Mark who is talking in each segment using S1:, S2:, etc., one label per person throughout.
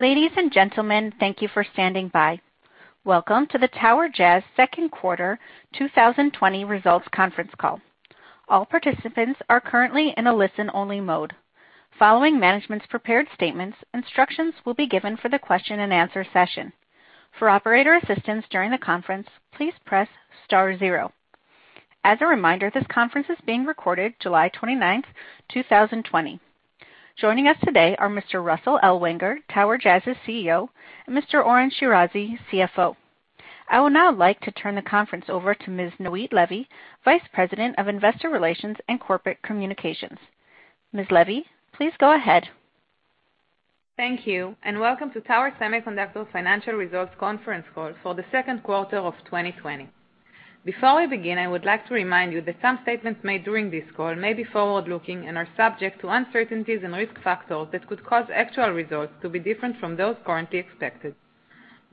S1: Ladies and gentlemen, thank you for standing by. Welcome to the Tower Jazz second quarter 2020 results conference call. All participants are currently in a listen-only mode. Following management's prepared statements, instructions will be given for the question-and-answer session. For operator assistance during the conference, please press star zero. As a reminder, this conference is being recorded July 29th, 2020. Joining us today are Mr. Russell Ellwanger, Tower Jazz's CEO, and Mr. Oren Shirazi, CFO. I would now like to turn the conference over to Ms. Noit Levy, Vice President of Investor Relations and Corporate Communications. Ms. Levy, please go ahead.
S2: Thank you, and welcome to Tower Semiconductor Financial Results Conference Call for the second quarter of 2020. Before we begin, I would like to remind you that some statements made during this call may be forward-looking and are subject to uncertainties and risk factors that could cause actual results to be different from those currently expected.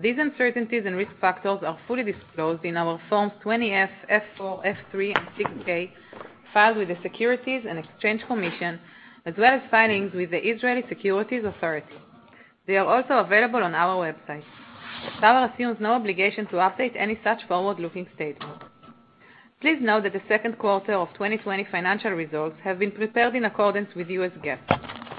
S2: These uncertainties and risk factors are fully disclosed in our Forms 20F, F4, F3, and 6K filed with the Securities and Exchange Commission, as well as filings with the Israeli Securities Authority. They are also available on our website. Tower assumes no obligation to update any such forward-looking statements. Please note that the second quarter of 2020 financial results have been prepared in accordance with US GAAP.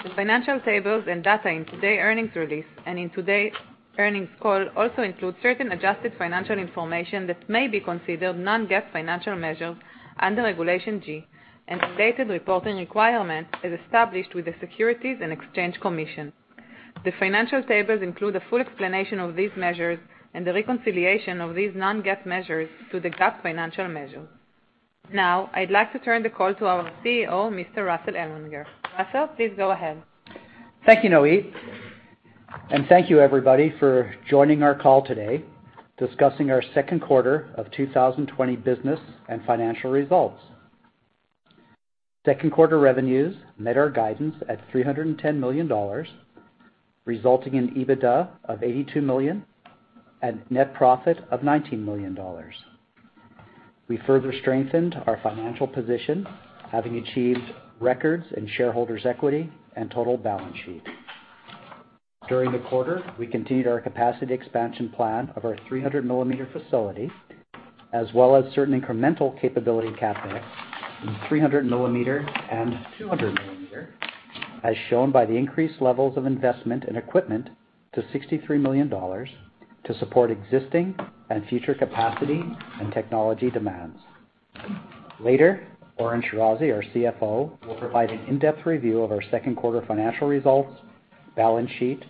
S2: The financial tables and data in today's earnings release and in today's earnings call also include certain adjusted financial information that may be considered non-GAAP financial measures under Regulation G and related reporting requirements as established with the Securities and Exchange Commission. The financial tables include a full explanation of these measures and the reconciliation of these non-GAAP measures to the GAAP financial measures. Now, I'd like to turn the call to our CEO, Mr. Russell Ellwanger. Russell, please go ahead.
S3: Thank you, Noit. Thank you, everybody, for joining our call today discussing our second quarter of 2020 business and financial results. Second quarter revenues met our guidance at $310 million, resulting in EBITDA of $82 million and net profit of $19 million. We further strengthened our financial position, having achieved records in shareholders' equity and total balance sheet. During the quarter, we continued our capacity expansion plan of our 300 mm facility, as well as certain incremental capability enhancements in 300 mm and 200 mm, as shown by the increased levels of investment in equipment to $63 million to support existing and future capacity and technology demands. Later, Oren Shirazi, our CFO, will provide an in-depth review of our second quarter financial results, balance sheet,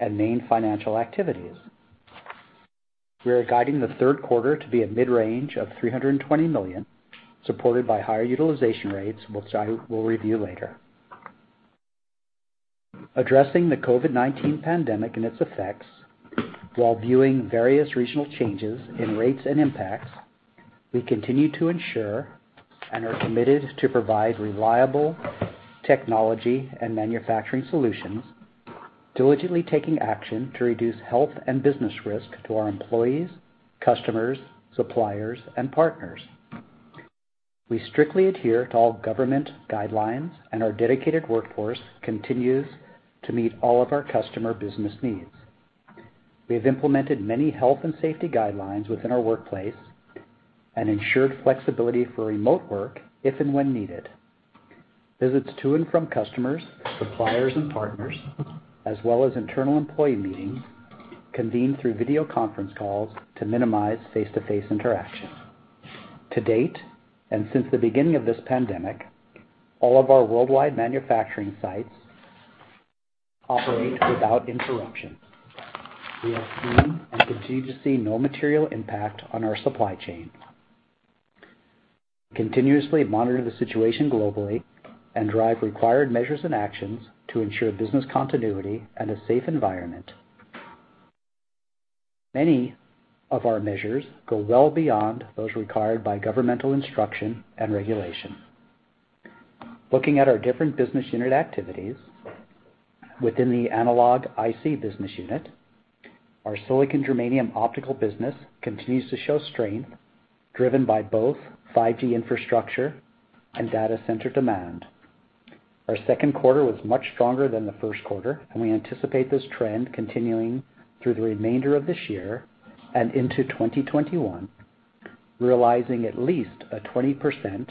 S3: and main financial activities. We are guiding the third quarter to be a mid-range of $320 million, supported by higher utilization rates, which I will review later. Addressing the COVID-19 pandemic and its effects, while viewing various regional changes in rates and impacts, we continue to ensure and are committed to provide reliable technology and manufacturing solutions, diligently taking action to reduce health and business risk to our employees, customers, suppliers, and partners. We strictly adhere to all government guidelines, and our dedicated workforce continues to meet all of our customer business needs. We have implemented many health and safety guidelines within our workplace and ensured flexibility for remote work if and when needed. Visits to and from customers, suppliers, and partners, as well as internal employee meetings, convened through video conference calls to minimize face-to-face interaction. To date, and since the beginning of this pandemic, all of our worldwide manufacturing sites operate without interruption. We have seen and continue to see no material impact on our supply chain. We continuously monitor the situation globally and drive required measures and actions to ensure business continuity and a safe environment. Many of our measures go well beyond those required by governmental instruction and regulation. Looking at our different business unit activities within the analog IC business unit, our silicon-germanium optical business continues to show strength, driven by both 5G infrastructure and data center demand. Our second quarter was much stronger than the first quarter, and we anticipate this trend continuing through the remainder of this year and into 2021, realizing at least a 20%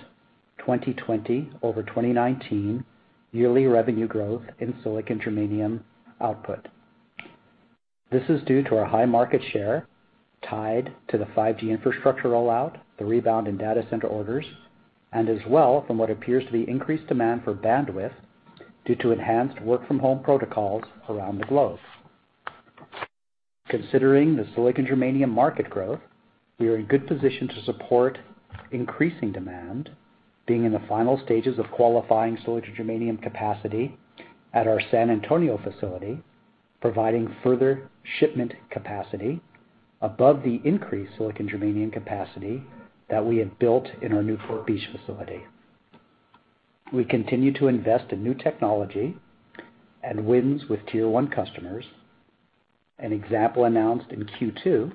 S3: 2020 over 2019 yearly revenue growth in silicon-germanium output. This is due to our high market share tied to the 5G infrastructure rollout, the rebound in data center orders, and as well from what appears to be increased demand for bandwidth due to enhanced work-from-home protocols around the globe. Considering the silicon-germanium market growth, we are in good position to support increasing demand, being in the final stages of qualifying silicon-germanium capacity at our San Antonio facility, providing further shipment capacity above the increased silicon-germanium capacity that we have built in our Newport Beach facility. We continue to invest in new technology and wins with tier-one customers. An example announced in Q2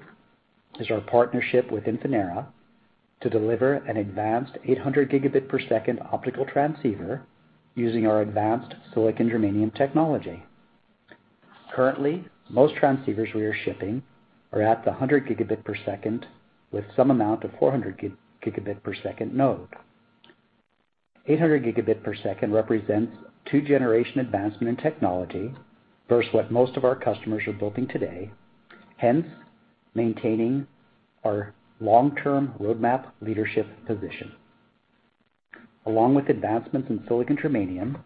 S3: is our partnership with Infinera to deliver an advanced 800 Gb per second optical transceiver using our advanced silicon-germanium technology. Currently, most transceivers we are shipping are at the 100 Gb per second with some amount of 400 Gb per second node. 800 Gb per second represents two-generation advancement in technology versus what most of our customers are building today, hence maintaining our long-term roadmap leadership position. Along with advancements in silicon-germanium,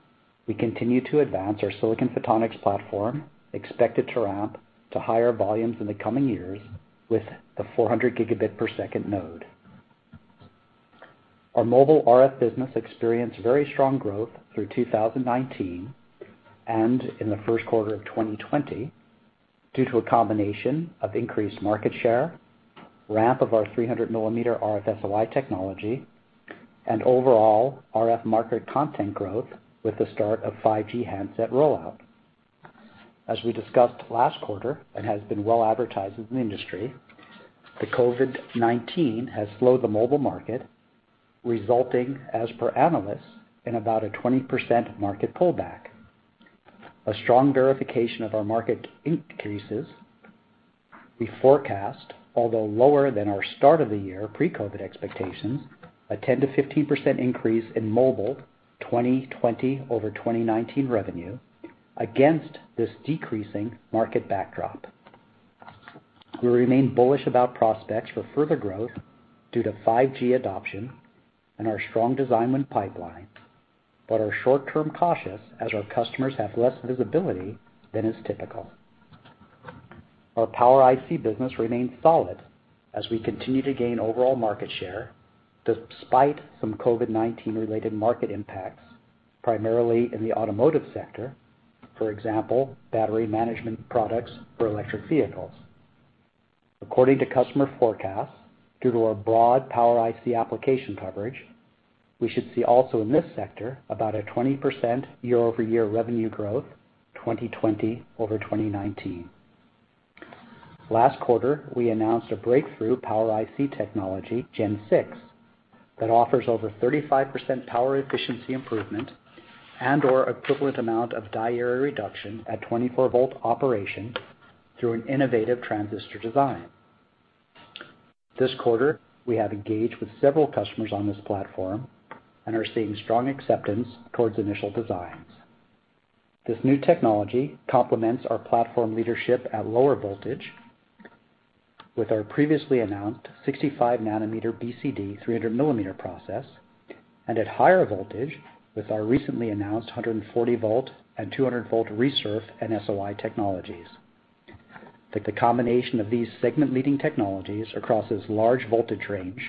S3: we continue to advance our silicon photonics platform, expected to ramp to higher volumes in the coming years with the 400 Gb per second node. Our mobile RF business experienced very strong growth through 2019 and in the first quarter of 2020 due to a combination of increased market share, ramp of our 300 mm RF-SOI technology, and overall RF market content growth with the start of 5G handset rollout. As we discussed last quarter and has been well advertised in the industry, the COVID-19 has slowed the mobile market, resulting, as per analysts, in about a 20% market pullback. A strong verification of our market increases. We forecast, although lower than our start of the year pre-COVID expectations, a 10-15% increase in mobile 2020 over 2019 revenue against this decreasing market backdrop. We remain bullish about prospects for further growth due to 5G adoption and our strong design win pipeline, but are short-term cautious as our customers have less visibility than is typical. Our power IC business remains solid as we continue to gain overall market share despite some COVID-19-related market impacts, primarily in the automotive sector, for example, battery management products for electric vehicles. According to customer forecasts, due to our broad power IC application coverage, we should see also in this sector about a 20% year-over-year revenue growth 2020 over 2019. Last quarter, we announced a breakthrough power IC technology, Gen 6, that offers over 35% power efficiency improvement and/or equivalent amount of die area reduction at 24-volt operation through an innovative transistor design. This quarter, we have engaged with several customers on this platform and are seeing strong acceptance towards initial designs. This new technology complements our platform leadership at lower voltage with our previously announced 65 nm BCD 300 mm process, and at higher voltage with our recently announced 140-volt and 200-volt resurf and SOI technologies. The combination of these segment-leading technologies across this large voltage range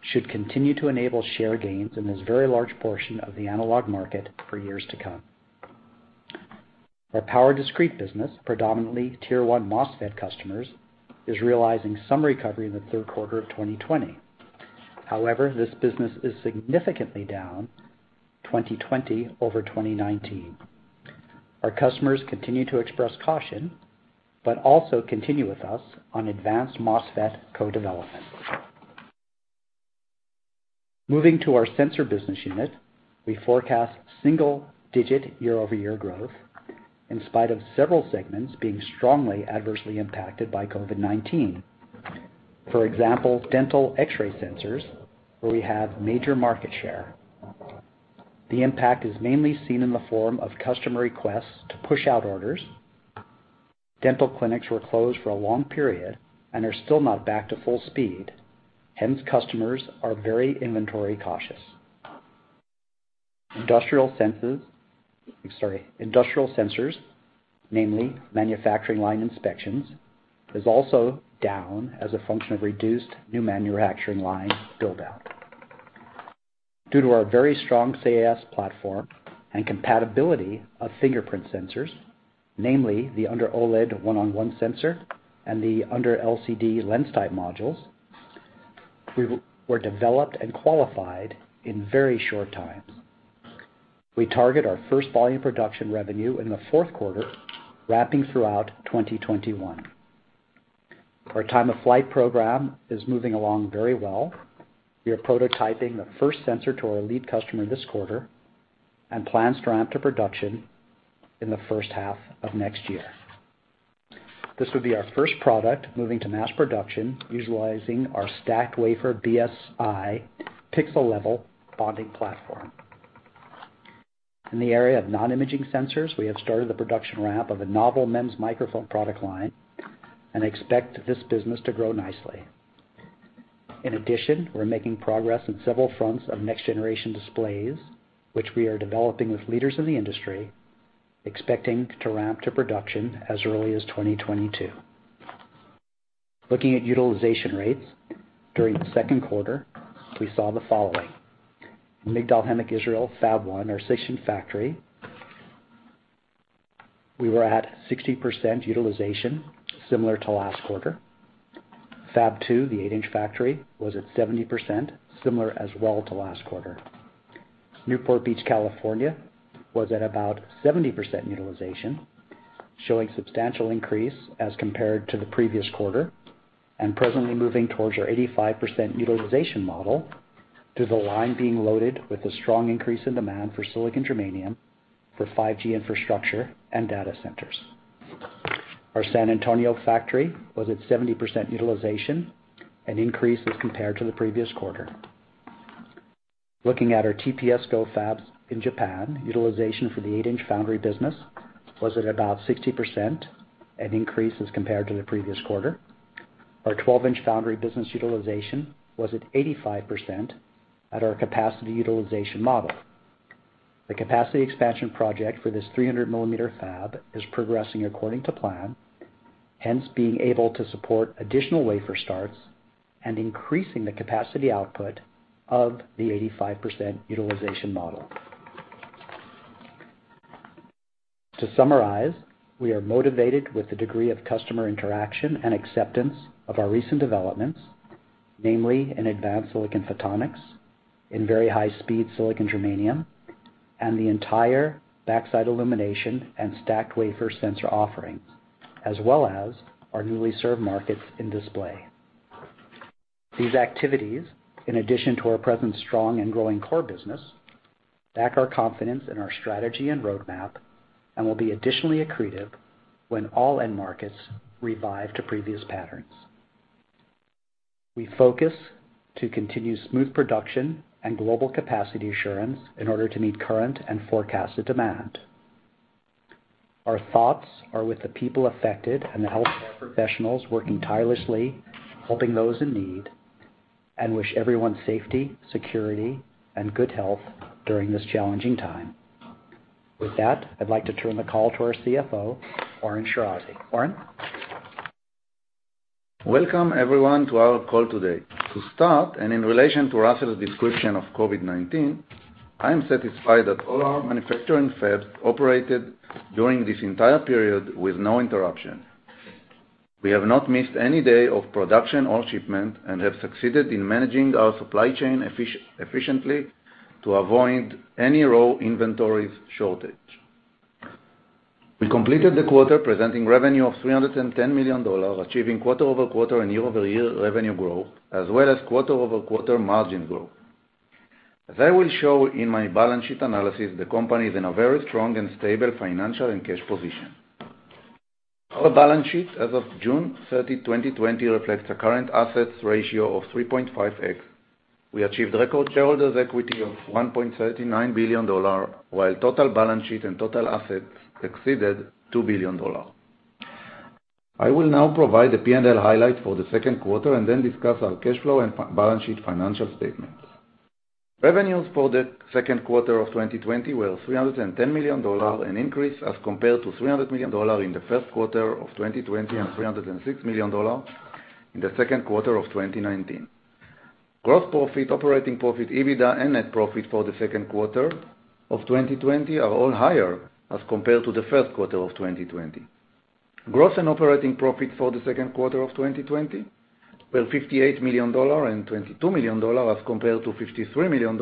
S3: should continue to enable share gains in this very large portion of the analog market for years to come. Our power discrete business, predominantly tier-one MOSFET customers, is realizing some recovery in the third quarter of 2020. However, this business is significantly down 2020 over 2019. Our customers continue to express caution but also continue with us on advanced MOSFET co-development. Moving to our sensor business unit, we forecast single-digit year-over-year growth in spite of several segments being strongly adversely impacted by COVID-19. For example, dental X-ray sensors, where we have major market share. The impact is mainly seen in the form of customer requests to push out orders. Dental clinics were closed for a long period and are still not back to full speed, hence customers are very inventory cautious. Industrial sensors, namely manufacturing line inspections, are also down as a function of reduced new manufacturing line build-out. Due to our very strong CIS platform and compatibility of fingerprint sensors, namely the under-OLED one-on-one sensor and the under-LCD lens-type modules, we were developed and qualified in very short time. We target our first volume production revenue in the fourth quarter, wrapping throughout 2021. Our time-of-flight program is moving along very well. We are prototyping the first sensor to our lead customer this quarter and plan to ramp to production in the first half of next year. This would be our first product moving to mass production, utilizing our stacked wafer BSI pixel-level bonding platform. In the area of non-imaging sensors, we have started the production ramp of a novel MEMS microphone product line and expect this business to grow nicely. In addition, we're making progress in several fronts of next-generation displays, which we are developing with leaders in the industry, expecting to ramp to production as early as 2022. Looking at utilization rates during the second quarter, we saw the following. In Migdal HaEmek, Israel, Fab 1, our 6 in factory, we were at 60% utilization, similar to last quarter. Fab 2, the 8-in factory, was at 70%, similar as well to last quarter. Newport Beach, California, was at about 70% utilization, showing substantial increase as compared to the previous quarter and presently moving towards our 85% utilization model due to the line being loaded with a strong increase in demand for silicon-germanium for 5G infrastructure and data centers. Our San Antonio factory was at 70% utilization, an increase as compared to the previous quarter. Looking at our TPSCo fabs in Japan, utilization for the 8 in foundry business was at about 60%, an increase as compared to the previous quarter. Our 12 in foundry business utilization was at 85% at our capacity utilization model. The capacity expansion project for this 300 mm fab is progressing according to plan, hence being able to support additional wafer starts and increasing the capacity output of the 85% utilization model. To summarize, we are motivated with the degree of customer interaction and acceptance of our recent developments, namely in advanced silicon photonics, in very high-speed silicon-germanium, and the entire backside illumination and stacked wafer sensor offerings, as well as our newly served markets in display. These activities, in addition to our present strong and growing core business, back our confidence in our strategy and roadmap and will be additionally accretive when all end markets revive to previous patterns. We focus to continue smooth production and global capacity assurance in order to meet current and forecasted demand. Our thoughts are with the people affected and the healthcare professionals working tirelessly, helping those in need, and wish everyone safety, security, and good health during this challenging time. With that, I'd like to turn the call to our CFO, Oren Shirazi. Oren?
S4: Welcome, everyone, to our call today. T o start, and in relation to Russell's description of COVID-19, I am satisfied that all our manufacturing fabs operated during this entire period with no interruption. We have not missed any day of production or shipment and have succeeded in managing our supply chain efficiently to avoid any raw inventory shortage. We completed the quarter presenting revenue of $310 million, achieving quarter-over-quarter and year-over-year revenue growth, as well as quarter-over-quarter margin growth. As I will show in my balance sheet analysis, the company is in a very strong and stable financial and cash position. Our balance sheet as of June 30, 2020, reflects a current assets ratio of 3.5x. We achieved record shareholders' equity of $1.39 billion, while total balance sheet and total assets exceeded $2 billion. I will now provide the P&L highlight for the second quarter and then discuss our cash flow and balance sheet financial statements. Revenues for the second quarter of 2020 were $310 million, an increase as compared to $300 million in the first quarter of 2020 and $306 million in the second quarter of 2019. Gross profit, operating profit, EBITDA, and net profit for the second quarter of 2020 are all higher as compared to the first quarter of 2020. Gross and operating profit for the second quarter of 2020 were $58 million and $22 million as compared to $53 million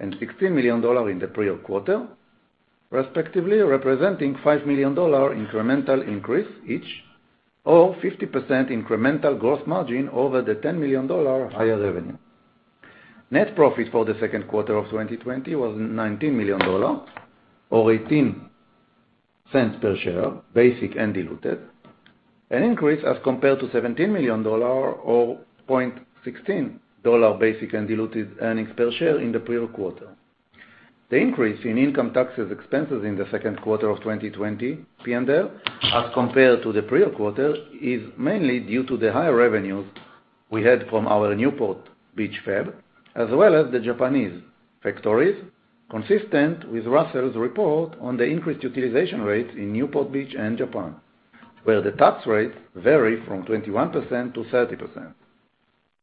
S4: and $16 million in the prior quarter, respectively representing $5 million incremental increase each or 50% incremental gross margin over the $10 million higher revenue. Net profit for the second quarter of 2020 was $19 million or $0.18 per share, basic and diluted, an increase as compared to $17 million or $0.16 basic and diluted earnings per share in the prior quarter. The increase in income taxes expenses in the second quarter of 2020 P&L as compared to the prior quarter is mainly due to the higher revenues we had from our Newport Beach fab, as well as the Japanese factories, consistent with Russell's report on the increased utilization rates in Newport Beach and Japan, where the tax rates vary from 21%-30%.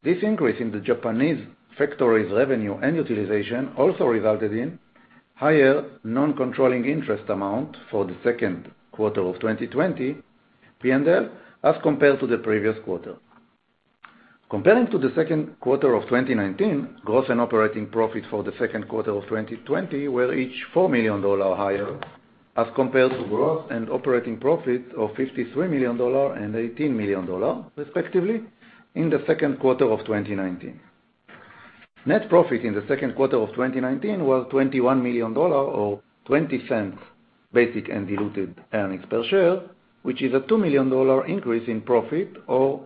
S4: This increase in the Japanese factories' revenue and utilization also resulted in higher non-controlling interest amount for the second quarter of 2020 P&L as compared to the previous quarter. Comparing to the second quarter of 2019, gross and operating profit for the second quarter of 2020 were each $4 million higher as compared to gross and operating profit of $53 million and $18 million, respectively, in the second quarter of 2019. Net profit in the second quarter of 2019 was $21 million or $0.20 basic and diluted earnings per share, which is a $2 million increase in profit or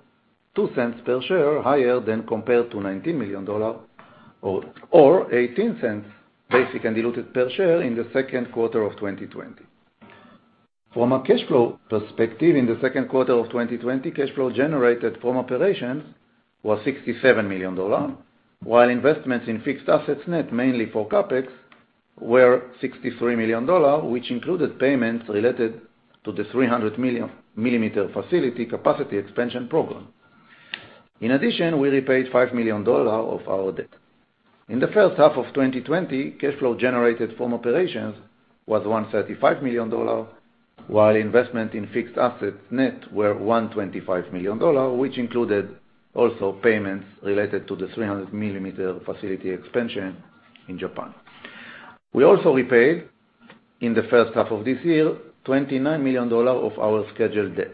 S4: $0.02 per share higher than compared to $19 million or $0.18 basic and diluted per share in the second quarter of 2020. From a cash flow perspective, in the second quarter of 2020, cash flow generated from operations was $67 million, while investments in fixed assets net, mainly for CapEx, were $63 million, which included payments related to the 300-mm facility capacity expansion program. In addition, we repaid $5 million of our debt. In the first half of 2020, cash flow generated from operations was $135 million, while investments in fixed assets net were $125 million, which included also payments related to the 300 mm facility expansion in Japan. We also repaid, in the first half of this year, $29 million of our scheduled debt.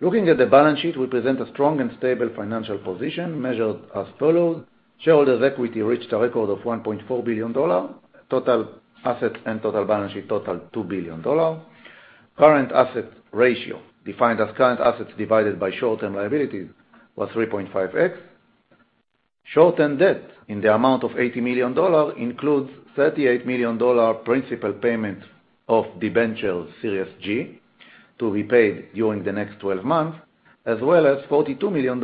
S4: Looking at the balance sheet, we present a strong and stable financial position measured as follows. Shareholders' equity reached a record of $1.4 billion. Total assets and total balance sheet totaled $2 billion. Current asset ratio, defined as current assets divided by short-term liabilities, was 3.5x. Short-term debt, in the amount of $80 million, includes $38 million principal payment of debenture, Series G, to be paid during the next 12 months, as well as $42 million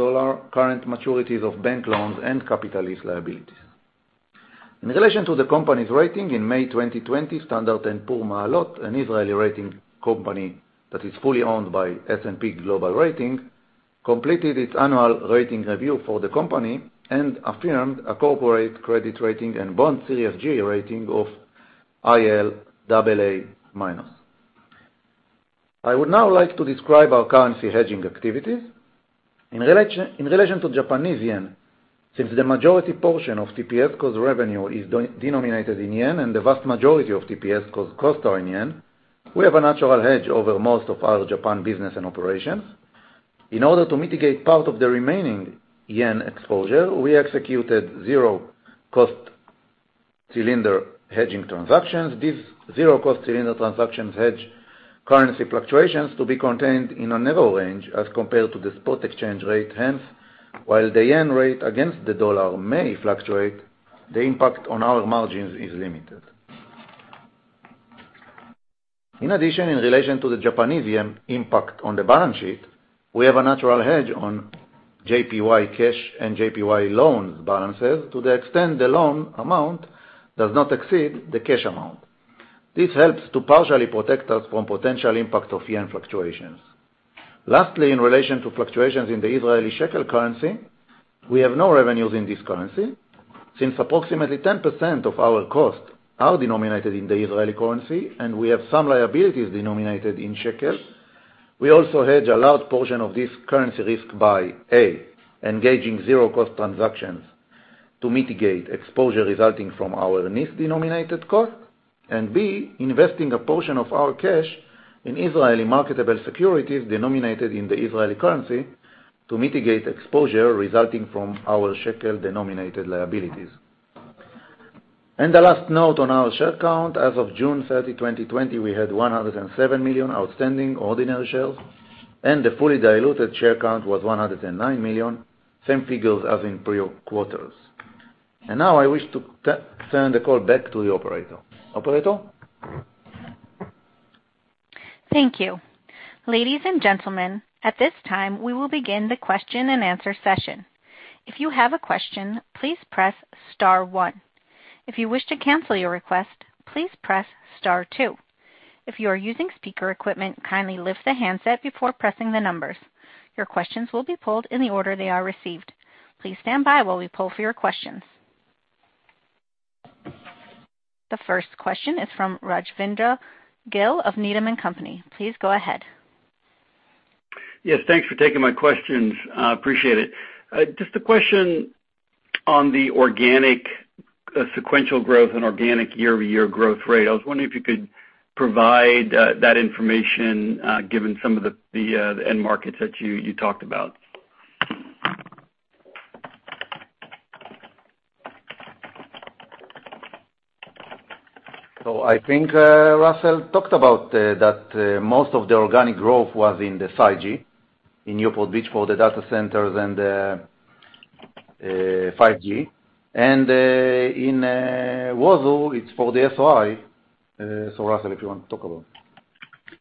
S4: current maturities of bank loans and capitalized liabilities. In relation to the company's rating, in May 2020, S&P Maalot, an Israeli rating company that is fully owned by S&P Global Rating, completed its annual rating review for the company and affirmed a corporate credit rating and bond Series G rating of ILAA minus. I would now like to describe our currency hedging activities. In relation to Japanese yen, since the majority portion of TPSCo revenue is denominated in yen and the vast majority of TPSCo costs are in yen, we have a natural hedge over most of our Japan business and operations. In order to mitigate part of the remaining yen exposure, we executed zero-cost cylinder hedging transactions. These zero-cost cylinder transactions hedge currency fluctuations to be contained in a narrow range as compared to the spot exchange rate. Hence, while the yen rate against the dollar may fluctuate, the impact on our margins is limited. In addition, in relation to the Japanese yen impact on the balance sheet, we have a natural hedge on JPY cash and JPY loans balances to the extent the loan amount does not exceed the cash amount. This helps to partially protect us from potential impact of yen fluctuations. Lastly, in relation to fluctuations in the Israeli shekel currency, we have no revenues in this currency. Since approximately 10% of our costs are denominated in the Israeli currency and we have some liabilities denominated in shekel, we also hedge a large portion of this currency risk by, A, engaging zero-cost transactions to mitigate exposure resulting from our shekel-denominated cost, and, B, investing a portion of our cash in Israeli marketable securities denominated in the Israeli currency to mitigate exposure resulting from our shekel-denominated liabilities. The last note on our share count, as of June 30, 2020, we had 107 million outstanding ordinary shares, and the fully diluted share count was 109 million, same figures as in prior quarters. I wish to turn the call back to the operator. Operator?
S1: Thank you. Ladies and gentlemen, at this time, we will begin the question and answer session. If you have a question, please press star one. If you wish to cancel your request, please press star two. If you are using speaker equipment, kindly lift the handset before pressing the numbers. Your questions will be pulled in the order they are received. Please stand by while we pull for your questions. The first question is from Rajvindra Gill of Needham & Company. Please go ahead.
S5: Yes, thanks for taking my questions. I appreciate it. Just a question on the organic sequential growth and organic year-over-year growth rate. I was wondering if you could provide that information given some of the end markets that you talked about. I think Russell talked about that most of the organic growth was in the 5G in Newport Beach for the data centers and 5G. In Wazu, it's for the SOI. Russell, if you want to talk about.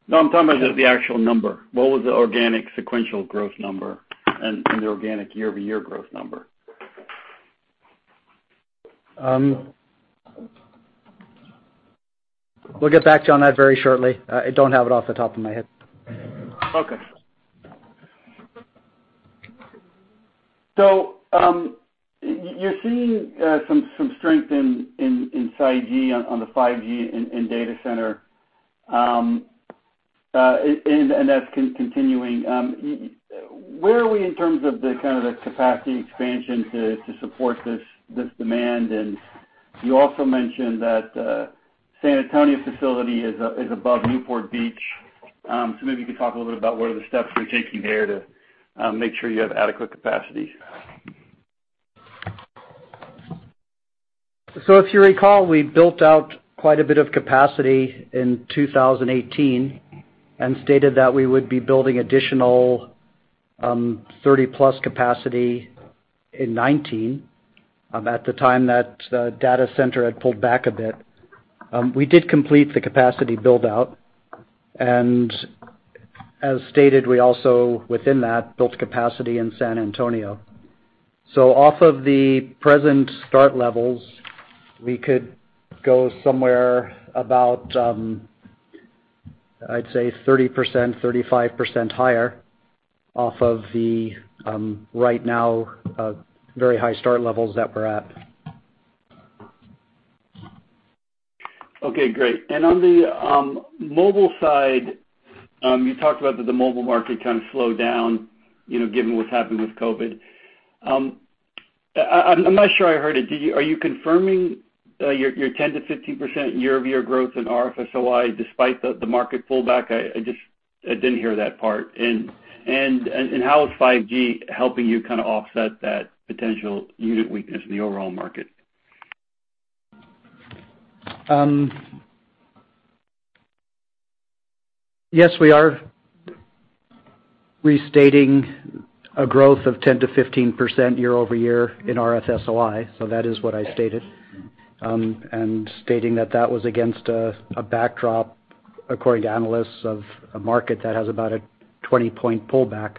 S3: No, I'm talking about the actual number. What was the organic sequential growth number and the organic year-over-year growth number? We'll get back to you on that very shortly. I don't have it off the top of my head.
S5: Okay. You're seeing some strength in 5G on the 5G and data center, and that's continuing. Where are we in terms of the kind of capacity expansion to support this demand? You also mentioned that the San Antonio facility is above Newport Beach. Maybe you could talk a little bit about what are the steps you're taking there to make sure you have adequate capacity?
S3: If you recall, we built out quite a bit of capacity in 2018 and stated that we would be building additional 30+ capacity in 2019 at the time that the data center had pulled back a bit. We did complete the capacity build-out. As stated, we also, within that, built capacity in San Antonio. Off of the present start levels, we could go somewhere about, I'd say, 30%-35% higher off of the right now very high start levels that we're at.
S5: Okay, great. On the mobile side, you talked about that the mobile market kind of slowed down given what's happened with COVID. I'm not sure I heard it. Are you confirming your 10%-15% year-over-year growth in RF-SOI despite the market pullback? I didn't hear that part. How is 5G helping you kind of offset that potential unit weakness in the overall market?
S3: Yes, we are restating a growth of 10-15% year-over-year in RF-SOI. That is what I stated and stating that that was against a backdrop, according to analysts, of a market that has about a 20 point pullback.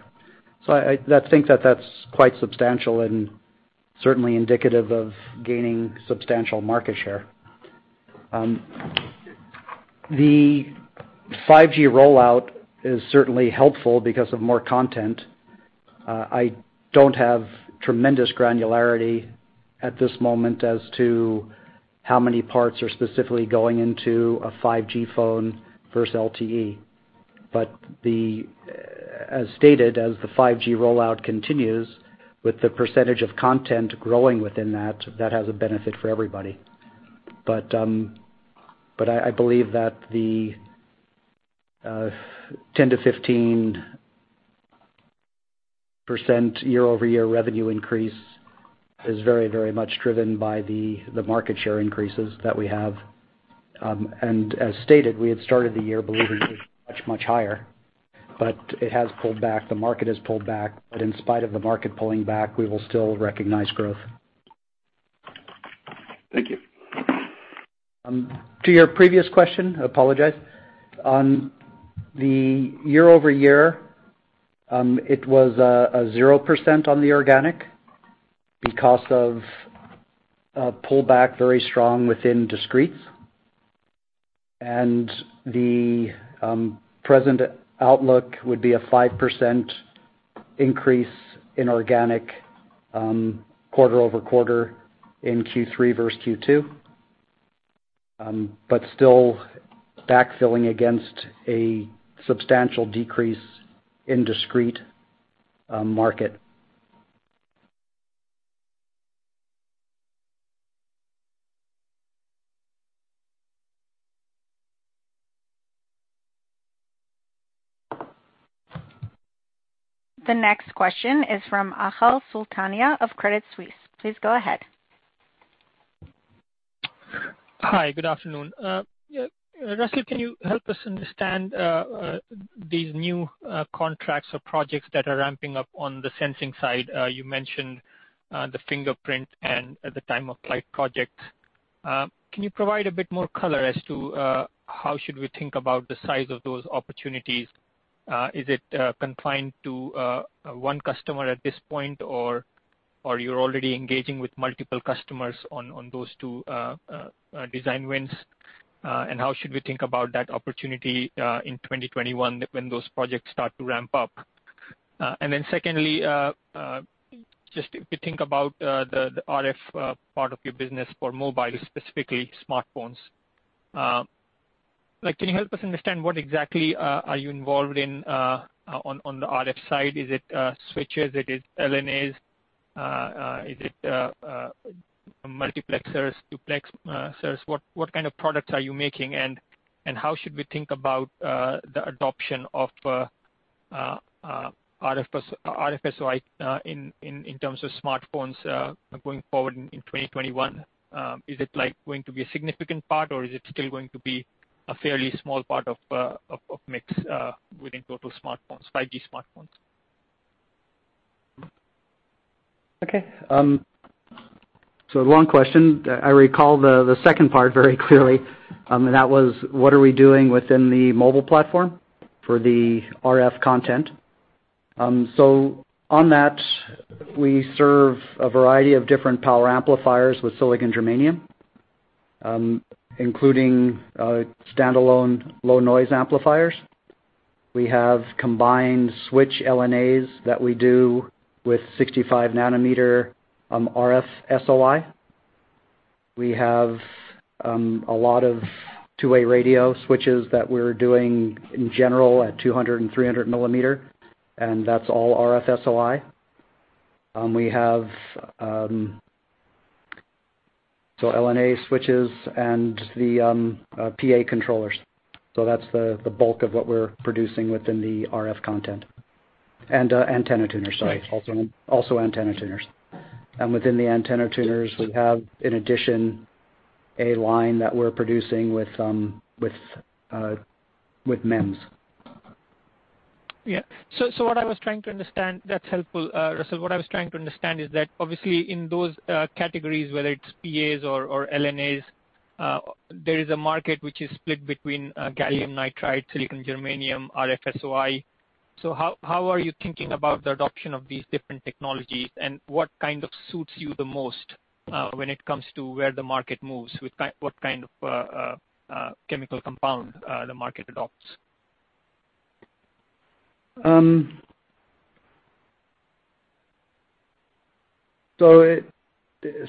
S3: I think that that is quite substantial and certainly indicative of gaining substantial market share. The 5G rollout is certainly helpful because of more content. I do not have tremendous granularity at this moment as to how many parts are specifically going into a 5G phone versus LTE. As stated, as the 5G rollout continues with the percentage of content growing within that, that has a benefit for everybody. I believe that the 10-15% year-over-year revenue increase is very, very much driven by the market share increases that we have. As stated, we had started the year believing it was much, much higher, but it has pulled back. The market has pulled back. In spite of the market pulling back, we will still recognize growth.
S5: Thank you.
S3: To your previous question, apologize. On the year-over-year, it was a 0% on the organic because of a pullback very strong within discretes. The present outlook would be a 5% increase in organic quarter over quarter in Q3 versus Q2, but still backfilling against a substantial decrease in discrete market.
S1: The next question is from Achal Sultania of Credit Suisse. Please go ahead.
S6: Hi, good afternoon. Russell, can you help us understand these new contracts or projects that are ramping up on the sensing side? You mentioned the fingerprint and the time-of-flight projects. Can you provide a bit more color as to how should we think about the size of those opportunities? Is it confined to one customer at this point, or are you already engaging with multiple customers on those two design wins? How should we think about that opportunity in 2021 when those projects start to ramp up? Secondly, if we think about the RF part of your business for mobile, specifically smartphones, can you help us understand what exactly are you involved in on the RF side? Is it switches? Is it LNAs? Is it multiplexers, duplexers? What kind of products are you making? How should we think about the adoption of RF-SOI in terms of smartphones going forward in 2021? Is it going to be a significant part, or is it still going to be a fairly small part of mix within total smartphones, 5G smartphones?
S3: Okay. Long question. I recall the second part very clearly, and that was, what are we doing within the mobile platform for the RF content? On that, we serve a variety of different power amplifiers with silicon germanium, including standalone low-noise amplifiers. We have combined switch LNAs that we do with 65 nm RF-SOI. We have a lot of two-way radio switches that we're doing in general at 200 and 300 mm, and that's all RF-SOI. We have LNA switches and the PA controllers. That's the bulk of what we're producing within the RF content. And antenna tuners, sorry, also antenna tuners. Within the antenna tuners, we have, in addition, a line that we're producing with MEMS.
S6: Yeah. What I was trying to understand—that's helpful, Russell. What I was trying to understand is that, obviously, in those categories, whether it's PAs or LNAs, there is a market which is split between gallium nitride, silicon germanium, RF-SOI. How are you thinking about the adoption of these different technologies? What kind of suits you the most when it comes to where the market moves, what kind of chemical compound the market adopts?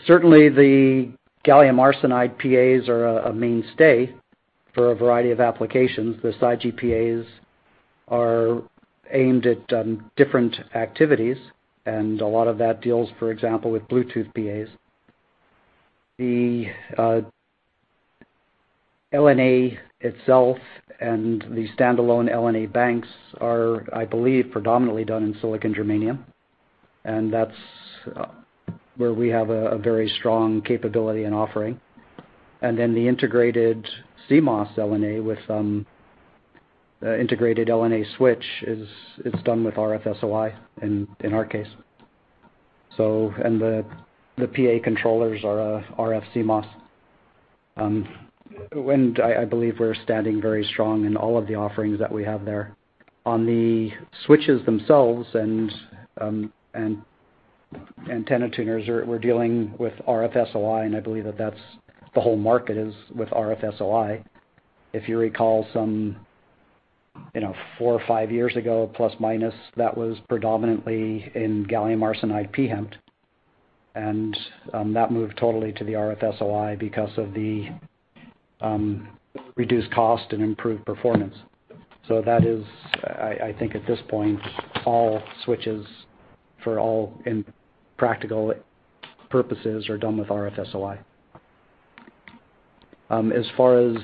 S3: Certainly, the gallium arsenide PAs are a mainstay for a variety of applications. The SiGe PAs are aimed at different activities, and a lot of that deals, for example, with Bluetooth PAs. The LNA itself and the standalone LNA banks are, I believe, predominantly done in silicon germanium, and that's where we have a very strong capability and offering. The integrated CMOS LNA with integrated LNA switch is done with RF-SOI in our case. The PA controllers are RF CMOS. I believe we're standing very strong in all of the offerings that we have there. On the switches themselves and antenna tuners, we're dealing with RF-SOI, and I believe that the whole market is with RF-SOI. If you recall, some four or five years ago, plus minus, that was predominantly in gallium arsenide PHEMT. That moved totally to the RF-SOI because of the reduced cost and improved performance. I think at this point, all switches for all practical purposes are done with RF-SOI. As far as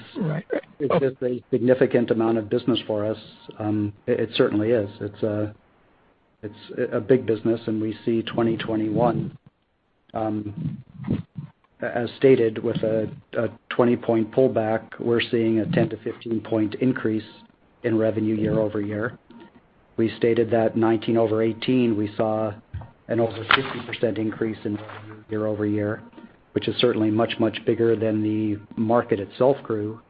S3: is this a significant amount of business for us? It certainly is. It's a big business, and we see 2021, as stated, with a 20-point pullback, we're seeing a 10-15-point increase in revenue year-over-year. We stated that 2019 over 2018, we saw an over 50% increase in revenue year-over-year, which is certainly much, much bigger than the market itself grew.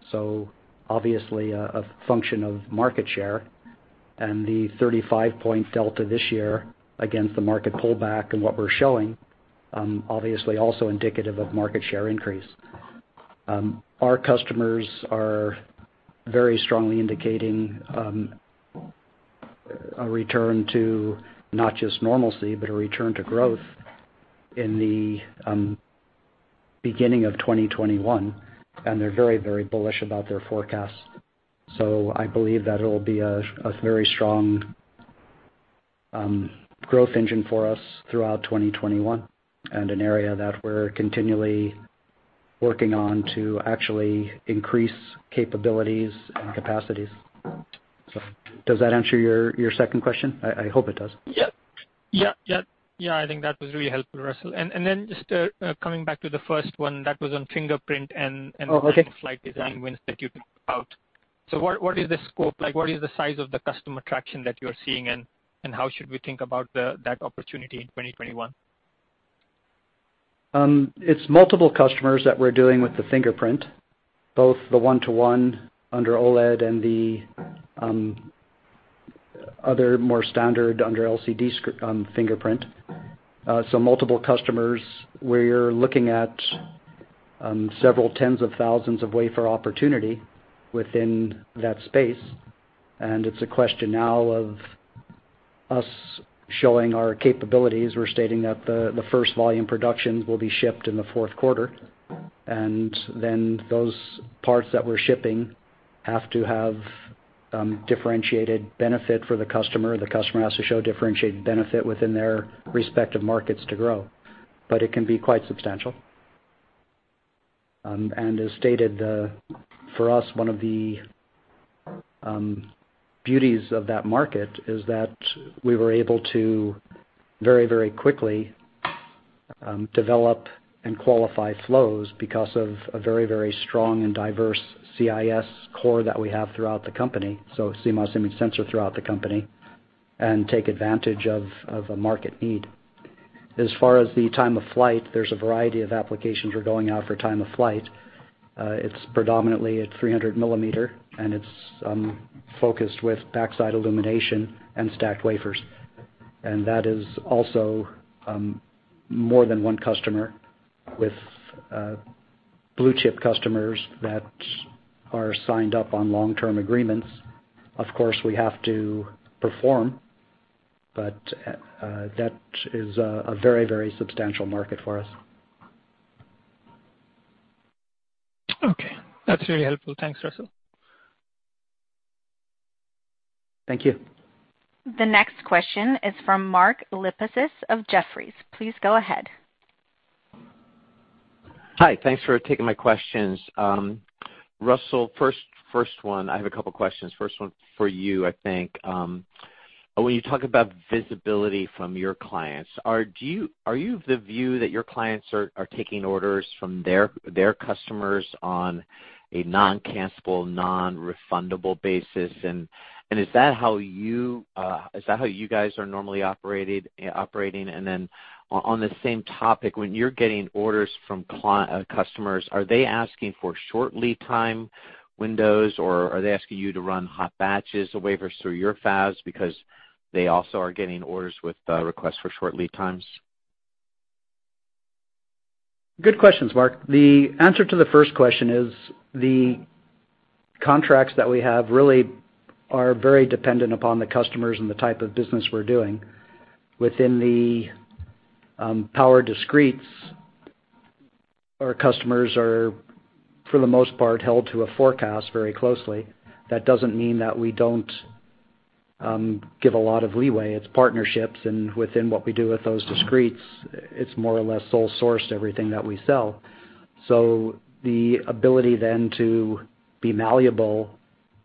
S3: Obviously, a function of market share. The 35-point delta this year against the market pullback and what we're showing, obviously, also indicative of market share increase. Our customers are very strongly indicating a return to not just normalcy, but a return to growth in the beginning of 2021. They're very, very bullish about their forecasts. I believe that it'll be a very strong growth engine for us throughout 2021 and an area that we're continually working on to actually increase capabilities and capacities. Does that answer your second question? I hope it does.
S6: Yeah. Yeah. Yeah. Yeah. I think that was really helpful, Russell. Coming back to the first one, that was on fingerprint and the flight design wins that you talked about. What is the scope? What is the size of the customer traction that you're seeing, and how should we think about that opportunity in 2021?
S3: It's multiple customers that we're doing with the fingerprint, both the one-to-one under OLED and the other more standard under LCD fingerprint. Multiple customers where you're looking at several tens of thousands of wafer opportunity within that space. It's a question now of us showing our capabilities. We're stating that the first volume productions will be shipped in the fourth quarter. Those parts that we're shipping have to have differentiated benefit for the customer. The customer has to show differentiated benefit within their respective markets to grow. It can be quite substantial. As stated, for us, one of the beauties of that market is that we were able to very, very quickly develop and qualify flows because of a very, very strong and diverse CIS core that we have throughout the company. So CMOS, I mean, sensor throughout the company and take advantage of a market need. As far as the time-of-flight, there's a variety of applications we're going out for time-of-flight. It's predominantly at 300 mm, and it's focused with backside illumination and stacked wafers. That is also more than one customer with blue chip customers that are signed up on long-term agreements. Of course, we have to perform, but that is a very, very substantial market for us.
S6: Okay. That's really helpful. Thanks, Russell.
S3: Thank you.
S1: The next question is from Mark Lipacis of Jefferies. Please go ahead.
S7: Hi. Thanks for taking my questions. Russell, first one, I have a couple of questions. First one for you, I think. When you talk about visibility from your clients, are you of the view that your clients are taking orders from their customers on a non-cancelable, non-refundable basis? Is that how you guys are normally operating? On the same topic, when you're getting orders from customers, are they asking for short lead time windows, or are they asking you to run hot batches of wafers through your fabs because they also are getting orders with requests for short lead times?
S3: Good questions, Mark. The answer to the first question is the contracts that we have really are very dependent upon the customers and the type of business we're doing. Within the power discretes, our customers are, for the most part, held to a forecast very closely. That does not mean that we do not give a lot of leeway. It is partnerships. Within what we do with those discretes, it is more or less sole sourced, everything that we sell. The ability then to be malleable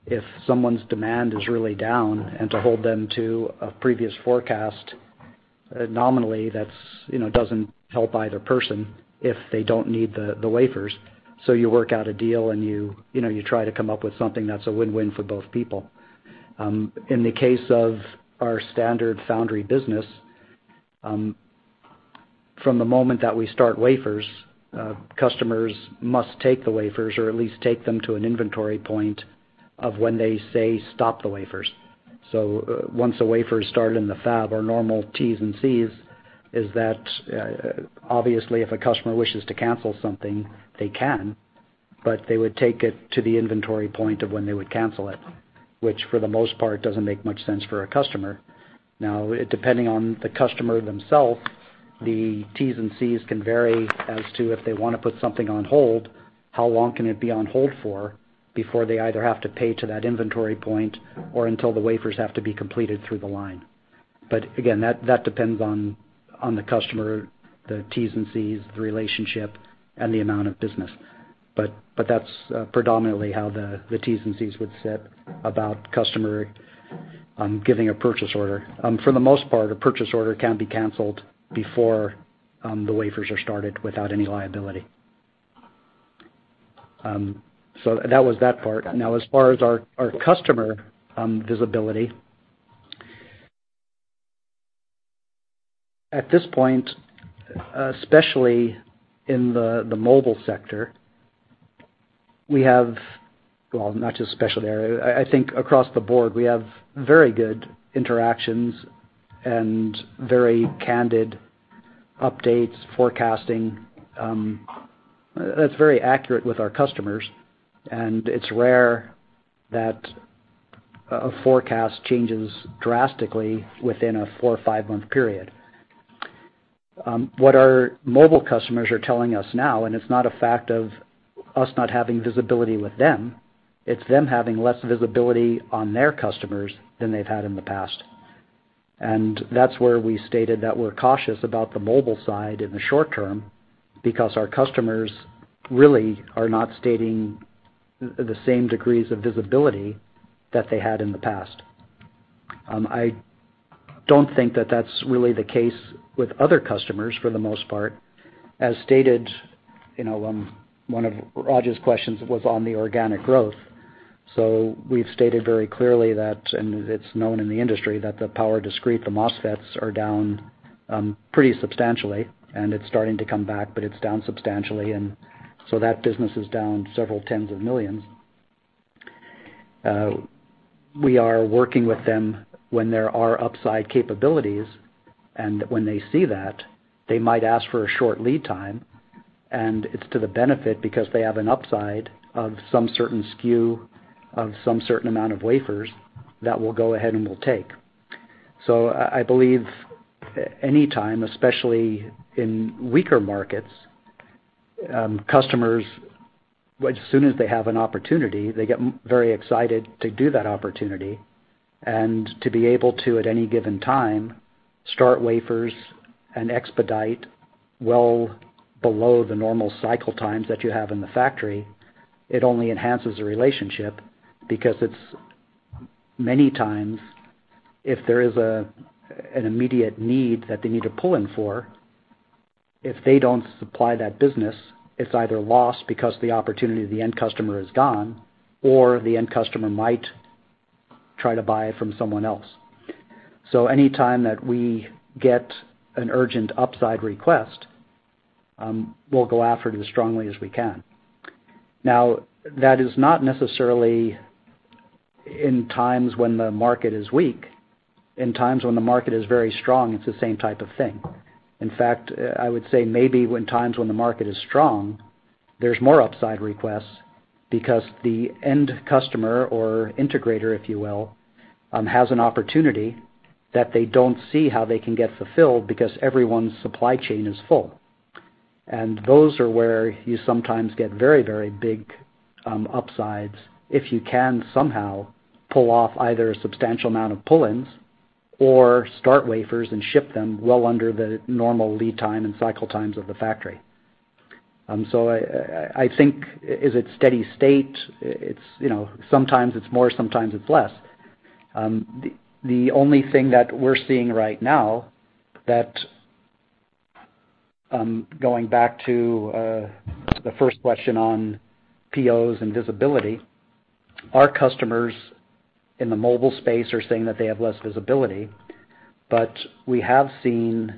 S3: if someone's demand is really down and to hold them to a previous forecast, nominally, that does not help either person if they do not need the wafers. You work out a deal, and you try to come up with something that is a win-win for both people. In the case of our standard foundry business, from the moment that we start wafers, customers must take the wafers or at least take them to an inventory point of when they say, "Stop the wafers." Once a wafer is started in the fab, our normal T's and C's is that, obviously, if a customer wishes to cancel something, they can, but they would take it to the inventory point of when they would cancel it, which, for the most part, does not make much sense for a customer. Now, depending on the customer themself, the T's and C's can vary as to if they want to put something on hold, how long it can be on hold for before they either have to pay to that inventory point or until the wafers have to be completed through the line. That depends on the customer, the T's and C's, the relationship, and the amount of business. That's predominantly how the T's and C's would set about customer giving a purchase order. For the most part, a purchase order can be canceled before the wafers are started without any liability. That was that part. Now, as far as our customer visibility, at this point, especially in the mobile sector, we have—well, not just especially there. I think across the board, we have very good interactions and very candid updates, forecasting. That's very accurate with our customers. It's rare that a forecast changes drastically within a four or five-month period. What our mobile customers are telling us now, and it's not a fact of us not having visibility with them. It's them having less visibility on their customers than they've had in the past. That's where we stated that we're cautious about the mobile side in the short term because our customers really are not stating the same degrees of visibility that they had in the past. I don't think that that's really the case with other customers, for the most part. As stated, one of Roger's questions was on the organic growth. We have stated very clearly that, and it's known in the industry, that the power discrete, the MOSFETs, are down pretty substantially, and it's starting to come back, but it's down substantially. That business is down several tens of millions. We are working with them when there are upside capabilities, and when they see that, they might ask for a short lead time. It is to the benefit because they have an upside of some certain SKU, of some certain amount of wafers that we'll go ahead and we'll take. I believe anytime, especially in weaker markets, customers, as soon as they have an opportunity, they get very excited to do that opportunity and to be able to, at any given time, start wafers and expedite well below the normal cycle times that you have in the factory. It only enhances the relationship because many times, if there is an immediate need that they need to pull in for, if they do not supply that business, it is either lost because the opportunity of the end customer is gone, or the end customer might try to buy from someone else. Anytime that we get an urgent upside request, we'll go after it as strongly as we can. Now, that is not necessarily in times when the market is weak. In times when the market is very strong, it's the same type of thing. In fact, I would say maybe in times when the market is strong, there's more upside requests because the end customer or integrator, if you will, has an opportunity that they don't see how they can get fulfilled because everyone's supply chain is full. Those are where you sometimes get very, very big upsides if you can somehow pull off either a substantial amount of pull-ins or start wafers and ship them well under the normal lead time and cycle times of the factory. I think, is it steady state? Sometimes it's more, sometimes it's less. The only thing that we're seeing right now that, going back to the first question on POs and visibility, our customers in the mobile space are saying that they have less visibility. We have seen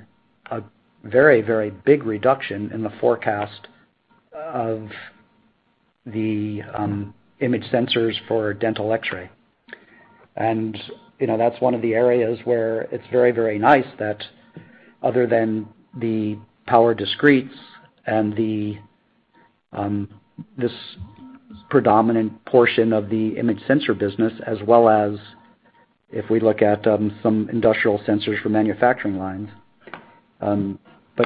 S3: a very, very big reduction in the forecast of the image sensors for dental X-ray. That is one of the areas where it is very, very nice that, other than the power discretes and this predominant portion of the image sensor business, as well as if we look at some industrial sensors for manufacturing lines.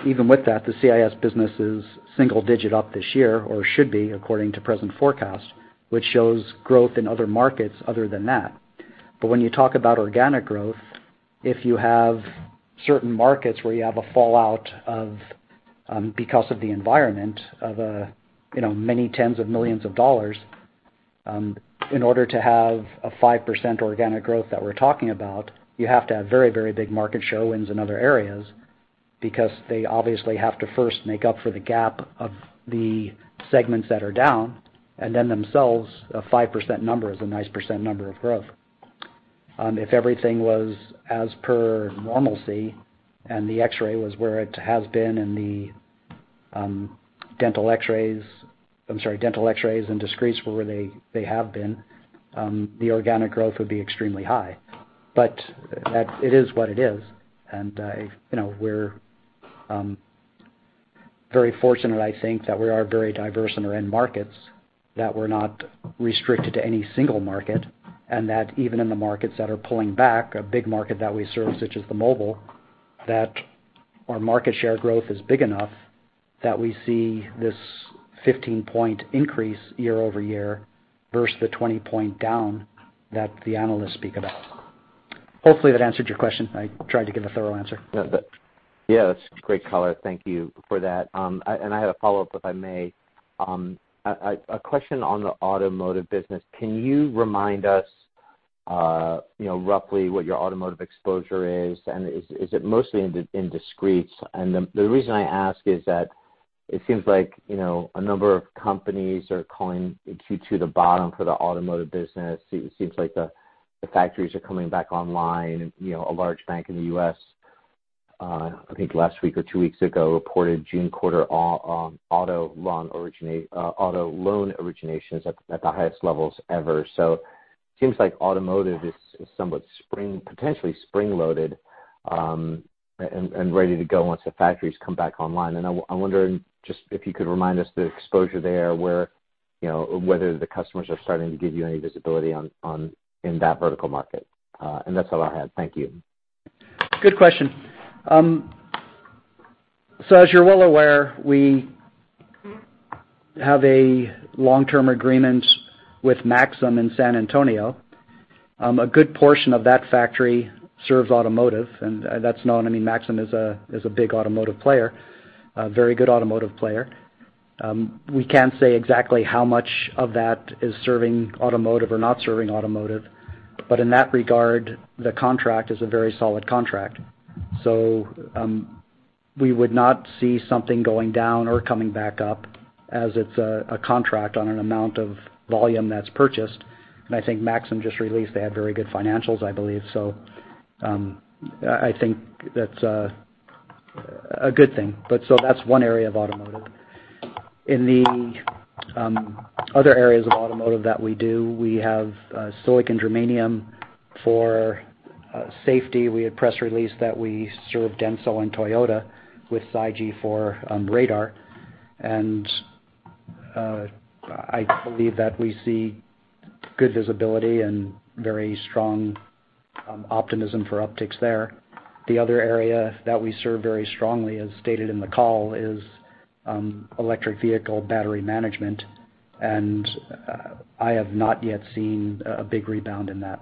S3: Even with that, the CIS business is single-digit up this year or should be, according to present forecast, which shows growth in other markets other than that. When you talk about organic growth, if you have certain markets where you have a fallout because of the environment of many tens of millions of dollars, in order to have a 5% organic growth that we're talking about, you have to have very, very big market show wins in other areas because they obviously have to first make up for the gap of the segments that are down. Then themselves, a 5% number is a nice % number of growth. If everything was as per normalcy and the X-ray was where it has been in the dental X-rays, I'm sorry, dental X-rays and discretes where they have been, the organic growth would be extremely high. It is what it is. We are very fortunate, I think, that we are very diverse in our end markets, that we are not restricted to any single market, and that even in the markets that are pulling back, a big market that we serve, such as the mobile, that our market share growth is big enough that we see this 15-point increase year-over-year versus the 20-point down that the analysts speak about. Hopefully, that answered your question. I tried to give a thorough answer.
S7: Yeah. That is great, Color. Thank you for that. I had a follow-up, if I may. A question on the automotive business. Can you remind us roughly what your automotive exposure is? Is it mostly in discretes? The reason I ask is that it seems like a number of companies are calling Q2 the bottom for the automotive business. It seems like the factories are coming back online. A large bank in the U.S., I think last week or two weeks ago, reported June quarter auto loan originations at the highest levels ever. It seems like automotive is somewhat potentially spring-loaded and ready to go once the factories come back online. I'm wondering just if you could remind us the exposure there, whether the customers are starting to give you any visibility in that vertical market. That's all I had.
S3: Thank you. Good question. As you're well aware, we have a long-term agreement with Maxim in San Antonio. A good portion of that factory serves automotive. That's known. I mean, Maxim is a big automotive player, a very good automotive player. We can't say exactly how much of that is serving automotive or not serving automotive. In that regard, the contract is a very solid contract. We would not see something going down or coming back up as it is a contract on an amount of volume that is purchased. I think Maxim just released they had very good financials, I believe. I think that is a good thing. That is one area of automotive. In the other areas of automotive that we do, we have silicon germanium for safety. We had press release that we serve Denzel and Toyota with SiGe for radar. I believe that we see good visibility and very strong optimism for upticks there. The other area that we serve very strongly, as stated in the call, is electric vehicle battery management. I have not yet seen a big rebound in that.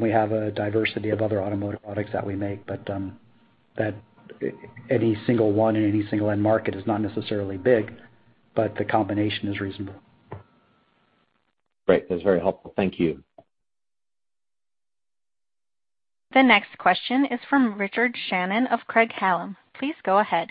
S3: We have a diversity of other automotive products that we make, but any single one in any single end market is not necessarily big, but the combination is reasonable.
S7: Great. That's very helpful. Thank you.
S1: The next question is from Richard Shannon of Craig-Hallum. Please go ahead.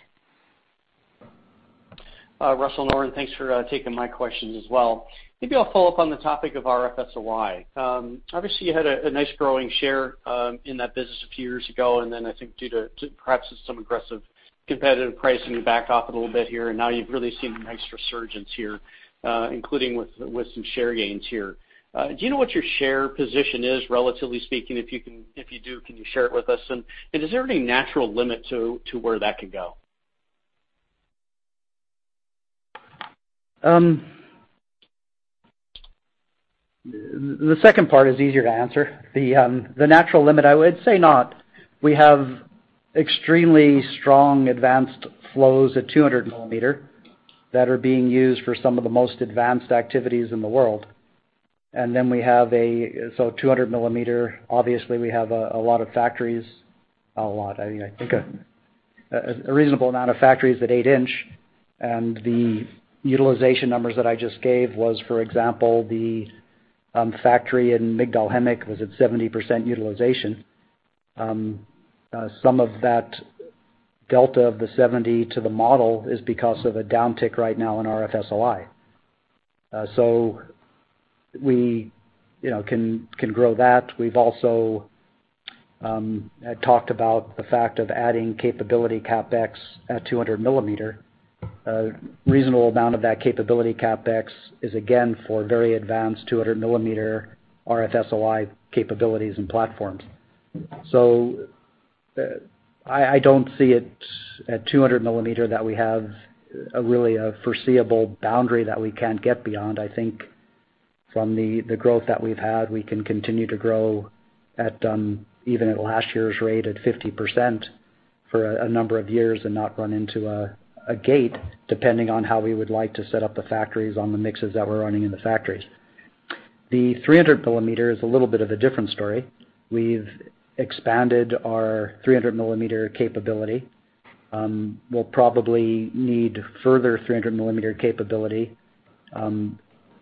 S8: Russell, thanks for taking my questions as well. Maybe I'll follow up on the topic of RF-SOI. Obviously, you had a nice growing share in that business a few years ago. I think due to perhaps some aggressive competitive pricing, you backed off a little bit here. Now you've really seen nice resurgence here, including with some share gains here. Do you know what your share position is, relatively speaking? If you do, can you share it with us? Is there any natural limit to where that can go?
S3: The second part is easier to answer. The natural limit, I would say not. We have extremely strong advanced flows at 200 mm that are being used for some of the most advanced activities in the world. We have a, so 200 mm, obviously, we have a lot of factories—a lot. I think a reasonable amount of factories at 8-in. The utilization numbers that I just gave was, for example, the factory in Migdal HaEmek was at 70% utilization. Some of that delta of the 70 to the model is because of a downtick right now in RF-SOI. We can grow that. We have also talked about the fact of adding capability CapEx at 200 mm. A reasonable amount of that capability CapEx is, again, for very advanced 200 mm RF-SOI capabilities and platforms. I don't see it at 200 mm that we have really a foreseeable boundary that we can't get beyond. I think from the growth that we've had, we can continue to grow even at last year's rate at 50% for a number of years and not run into a gate, depending on how we would like to set up the factories on the mixes that we're running in the factories. The 300 mm is a little bit of a different story. We've expanded our 300 mm capability. We'll probably need further 300 mm capability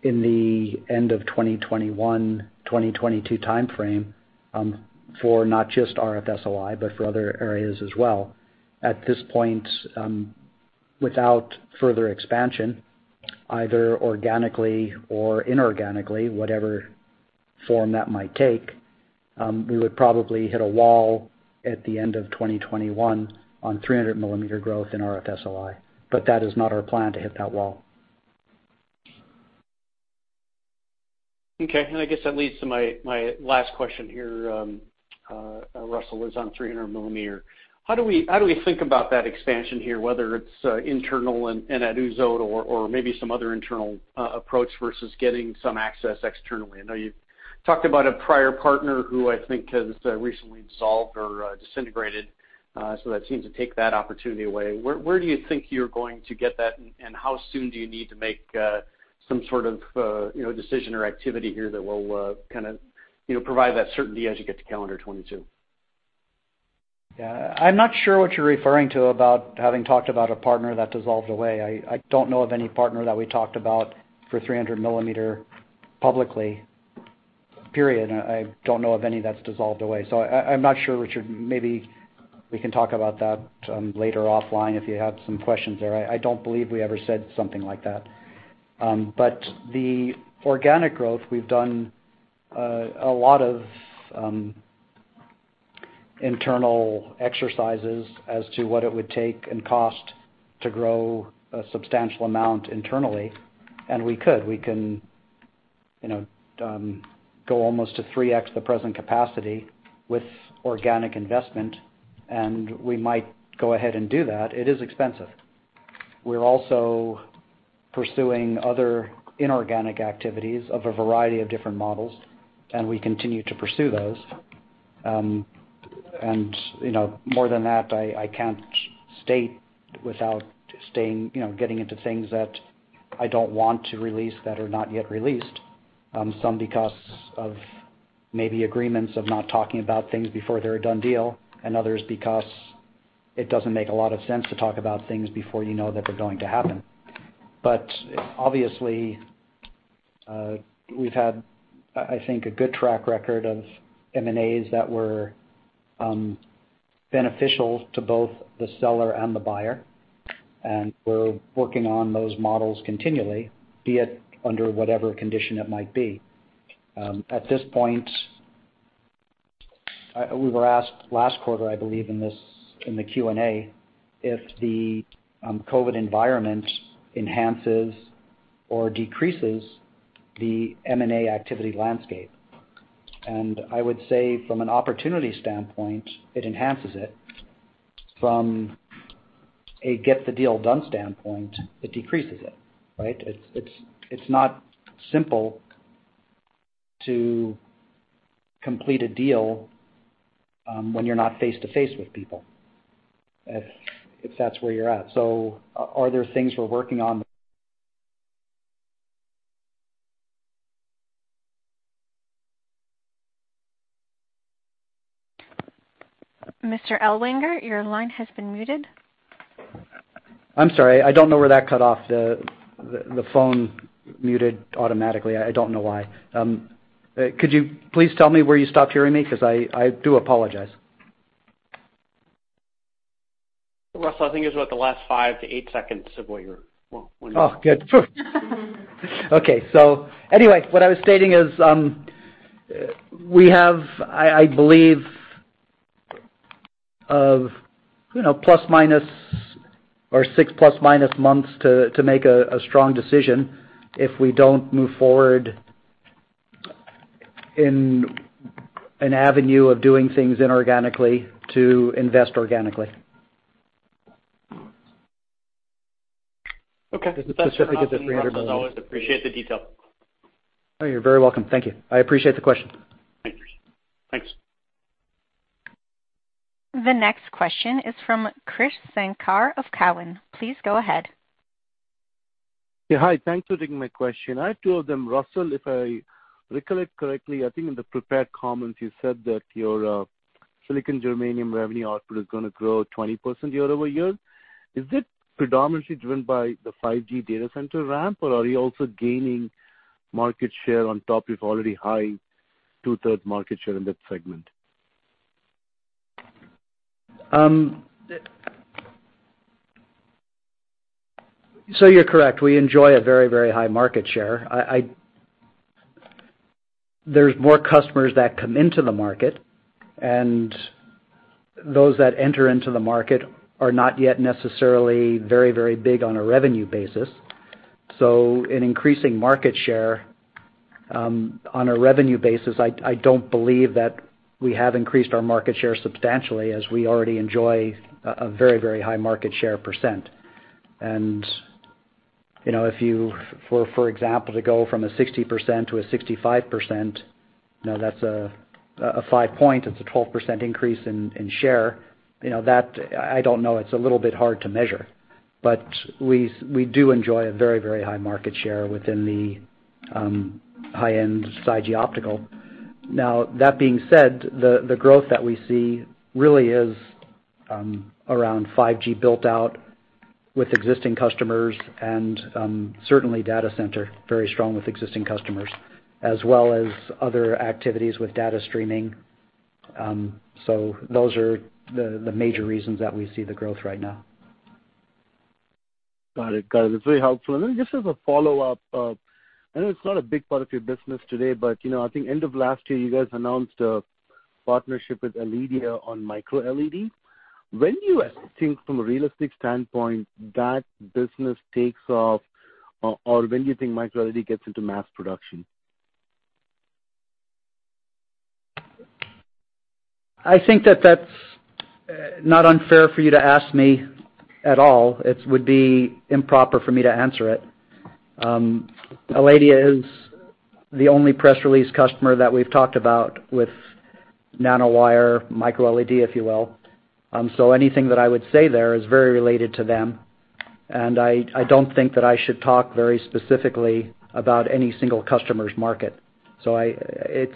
S3: in the end of 2021, 2022 timeframe for not just RF-SOI, but for other areas as well. At this point, without further expansion, either organically or inorganically, whatever form that might take, we would probably hit a wall at the end of 2021 on 300 mm growth in RF-SOI. That is not our plan to hit that wall.
S8: Okay. I guess that leads to my last question here, Russell, on 300 mm. How do we think about that expansion here, whether it's internal and at Uzod or maybe some other internal approach versus getting some access externally? I know you've talked about a prior partner who I think has recently dissolved or disintegrated. That seems to take that opportunity away. Where do you think you're going to get that, and how soon do you need to make some sort of decision or activity here that will kind of provide that certainty as you get to calendar 2022?
S3: Yeah. I'm not sure what you're referring to about having talked about a partner that dissolved away. I don't know of any partner that we talked about for 300 mm publicly, period. I don't know of any that's dissolved away. I'm not sure, Richard. Maybe we can talk about that later offline if you have some questions there. I don't believe we ever said something like that. The organic growth, we've done a lot of internal exercises as to what it would take and cost to grow a substantial amount internally. We could. We can go almost to 3x the present capacity with organic investment, and we might go ahead and do that. It is expensive. We're also pursuing other inorganic activities of a variety of different models, and we continue to pursue those. More than that, I can't state without getting into things that I don't want to release that are not yet released, some because of maybe agreements of not talking about things before they're a done deal, and others because it doesn't make a lot of sense to talk about things before you know that they're going to happen. Obviously, we've had, I think, a good track record of M&As that were beneficial to both the seller and the buyer. We're working on those models continually, be it under whatever condition it might be. At this point, we were asked last quarter, I believe, in the Q&A if the COVID environment enhances or decreases the M&A activity landscape. I would say, from an opportunity standpoint, it enhances it. From a get-the-deal-done standpoint, it decreases it, right? It's not simple to complete a deal when you're not face-to-face with people if that's where you're at. Are there things we're working on?
S1: Mr. Ellwanger, your line has been muted.
S3: I'm sorry. I don't know where that cut off. The phone muted automatically. I don't know why. Could you please tell me where you stopped hearing me? I do apologize.
S8: Russell, I think it was about the last five to eight seconds of what you're—
S3: Oh, good. Okay. What I was stating is we have, I believe, of plus-minus or 6± months to make a strong decision if we don't move forward in an avenue of doing things inorganically to invest organically.
S8: That's specific at the 300 mm level. I always appreciate the detail.
S3: You're very welcome. Thank you. I appreciate the question.
S8: Thanks.
S1: The next question is from Krish Sankar of Cowen. Please go ahead.
S9: Yeah. Hi. Thanks for taking my question. I have two of them. Russell, if I recollect correctly, I think in the prepared comments, you said that your silicon germanium revenue output is going to grow 20% year-over-year. Is it predominantly driven by the 5G data center ramp, or are you also gaining market share on top of already high two-thirds market share in that segment?
S3: You are correct. We enjoy a very, very high market share. There are more customers that come into the market, and those that enter into the market are not yet necessarily very, very big on a revenue basis. In increasing market share on a revenue basis, I do not believe that we have increased our market share substantially as we already enjoy a very, very high market share percent. If you, for example, go from 60%-65%, now that's a 5-point. It's a 12% increase in share. I don't know. It's a little bit hard to measure. We do enjoy a very, very high market share within the high-end 5G optical. That being said, the growth that we see really is around 5G built out with existing customers and certainly data center, very strong with existing customers, as well as other activities with data streaming. Those are the major reasons that we see the growth right now.
S9: Got it. Got it. That's very helpful. Just as a follow-up, I know it's not a big part of your business today, but I think end of last year, you guys announced a partnership with Aledia on micro LED. When do you think, from a realistic standpoint, that business takes off, or when do you think micro LED gets into mass production?
S3: I think that that's not unfair for you to ask me at all. It would be improper for me to answer it. Aledia is the only press-release customer that we've talked about with nanowire, micro LED, if you will. Anything that I would say there is very related to them. I don't think that I should talk very specifically about any single customer's market. I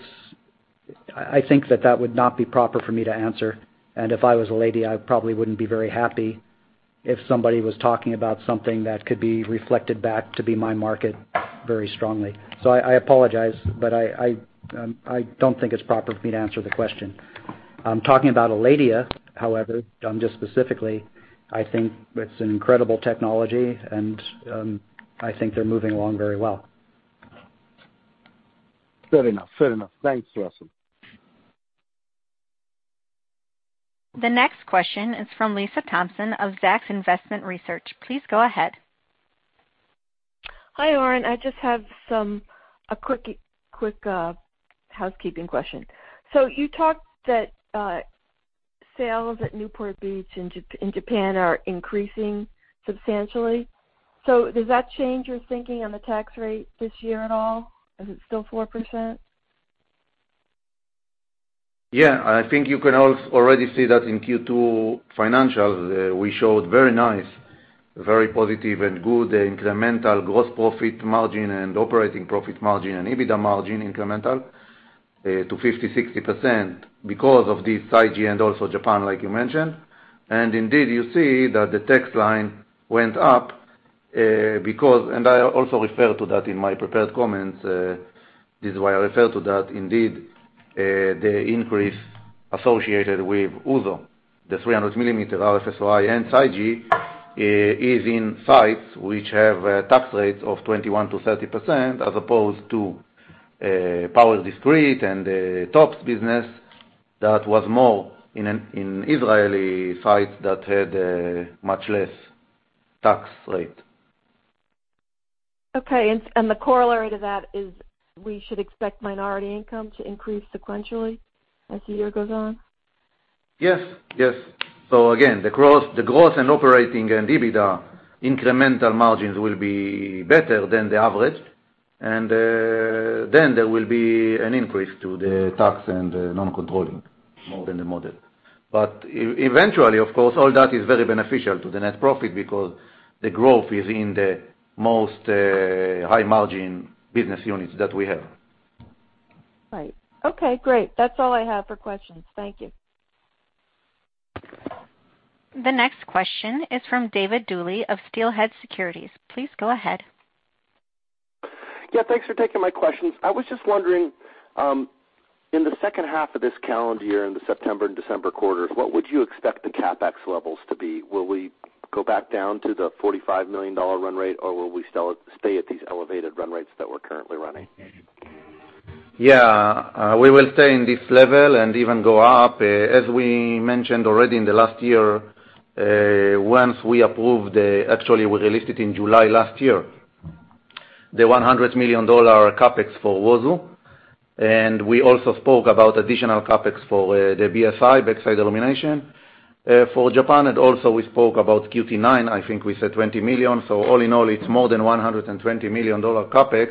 S3: think that that would not be proper for me to answer. If I was Aledia, I probably wouldn't be very happy if somebody was talking about something that could be reflected back to be my market very strongly. I apologize, but I don't think it's proper for me to answer the question. Talking about Aledia, however, just specifically, I think it's an incredible technology, and I think they're moving along very well. Fair enough.
S9: Fair enough. Thanks, Russell.
S1: The next question is from Lisa Thompson of Zacks Investment Research. Please go ahead.
S10: Hi, Oren. I just have a quick housekeeping question. You talked that sales at Newport Beach and Japan are increasing substantially. Does that change your thinking on the tax rate this year at all? Is it still 4%?
S4: Yeah. I think you can already see that in Q2 financials. We showed very nice, very positive, and good incremental gross profit margin and operating profit margin and EBITDA margin incremental to 50-60% because of this 5G and also Japan, like you mentioned. Indeed, you see that the tax line went up because—I also refer to that in my prepared comments. This is why I refer to that. Indeed, the increase associated with Uzod, the 300 mm RF-SOI and 5G is in sites which have tax rates of 21%-30% as opposed to Power Discrete and TOPS business that was more in Israeli sites that had much less tax rate.
S10: Okay. The corollary to that is we should expect minority income to increase sequentially as the year goes on?
S4: Yes. Yes. Again, the gross and operating and EBITDA incremental margins will be better than the average. There will be an increase to the tax and non-controlling more than the model. Eventually, of course, all that is very beneficial to the net profit because the growth is in the most high-margin business units that we have.
S10: Right. Okay. Great. That's all I have for questions. Thank you.
S1: The next question is from David Duley of Steelhead Securities. Please go ahead.
S11: Yeah. Thanks for taking my questions. I was just wondering, in the second half of this calendar year, in the September and December quarters, what would you expect the CapEx levels to be? Will we go back down to the $45 million run rate, or will we stay at these elevated run rates that we're currently running?
S4: Yeah. We will stay in this level and even go up. As we mentioned already in the last year, once we approved the—actually, we released it in July last year, the $100 million CapEx for Uzod. And we also spoke about additional CapEx for the BSI, backside illumination, for Japan. Also, we spoke about QT9. I think we said $20 million. All in all, it's more than $120 million CapEx